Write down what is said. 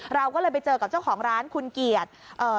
เราก็เลยไปเจอกับเจ้าของร้านคุณเกียรติเอ่อ